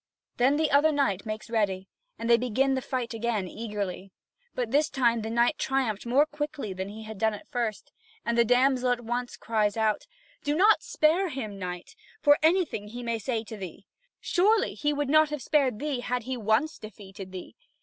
Then the other knight makes ready, and they begin the fight again eagerly. But this time the knight triumphed more quickly than he had done at first. And the damsel at once cries out: "Do not spare him, knight, for anything he may say to thee. Surely he would not have spared thee, had he once defeated thee.